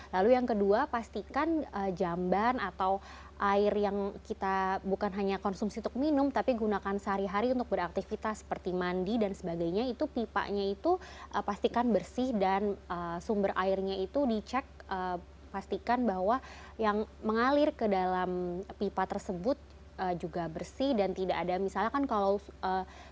lalu yang kedua pastikan jamban atau air yang kita bukan hanya konsumsi untuk minum tapi gunakan sehari hari untuk beraktivitas seperti mandi dan sebagainya itu pipanya itu pastikan bersih dan sumber airnya itu dicek pastikan bahwa yang mengalir ke dalam pipa tersebut juga bersih dan tidak ada misalnya kan kalau sumber airnya itu bersih